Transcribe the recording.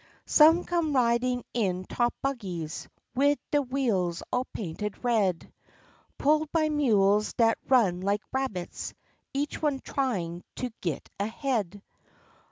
Some come ridin' in top buggies wid de w'eels all painted red, Pulled by mules dat run like rabbits, each one tryin' to git ahead.